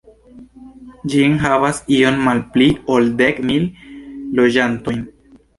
Ĝi enhavas iom malpli ol dek mil loĝantojn.